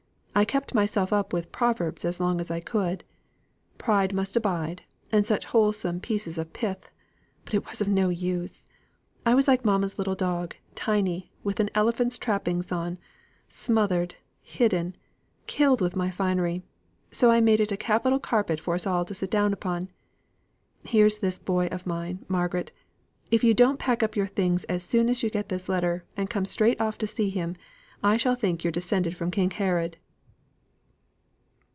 I kept myself up with proverbs as long as I could; 'Pride must abide,' and such wholesome pieces of pith; but it was no use. I was like mamma's little dog Tiny with an elephant's trappings on; smothered, hidden, killed with my finery; so I made it into a capital carpet for us all to sit down upon. Here's this boy of mine, Margaret if you don't pack up your things as soon as you get this letter, and come straight off to see him, I shall think you're descended from King Herod!"